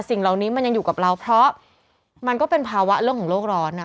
สิ่งเหล่านี้มันยังอยู่กับเราเพราะมันก็เป็นภาวะเรื่องของโลกร้อน